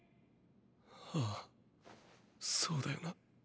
あぁそうだよな。